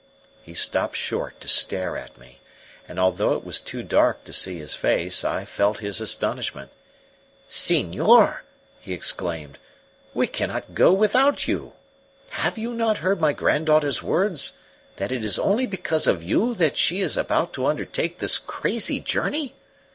He stopped short to stare at me, and although it was too dark to see his face, I felt his astonishment. "Senor!" he exclaimed, "we cannot go without you. Have you not heard my granddaughter's words that it is only because of you that she is about to undertake this crazy journey?